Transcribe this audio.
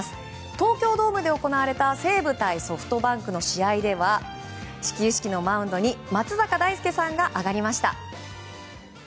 東京ドームで行われた西武対ソフトバンクの試合では始球式のマウンドに松坂大輔さんが上がりました。